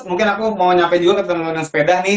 mungkin aku mau nyampe juga ke teman teman yang sepeda nih